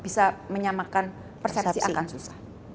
bisa menyamakan persepsi akan susah